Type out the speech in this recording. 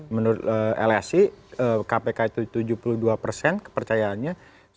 menurut lsi kpk itu tujuh puluh dua persen kepercayaannya